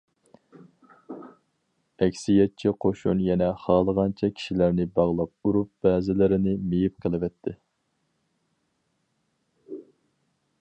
ئەكسىيەتچى قوشۇن يەنە خالىغانچە كىشىلەرنى باغلاپ ئۇرۇپ بەزىلىرىنى مېيىپ قىلىۋەتتى.